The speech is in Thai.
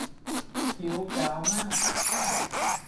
กิ๊วก๊าวมาก